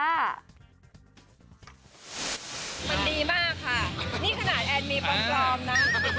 มันดีมากค่ะนี่ขนาดแอนมีปลอมนะ